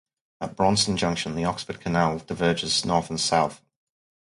At Braunston Junction, the Oxford Canal diverges north and south.